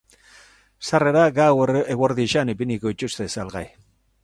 Sarrerak gaur eguerdian ipiniko dituzte salgai.